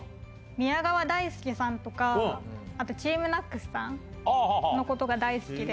宮川大輔さんとか、あとＴＥＡＭＮＡＣＳさんのことが大好きで。